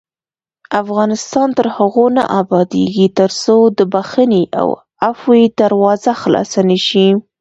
افغانستان تر هغو نه ابادیږي، ترڅو د بښنې او عفوې دروازه خلاصه نشي.